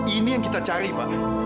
ini yang kita cari pak